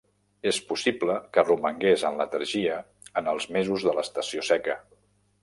És possible que romangués en letargia en els mesos de l'estació seca.